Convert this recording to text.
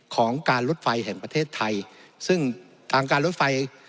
ของการรถไฟแห่งประเทศไทยซึ่งทางการรถไฟ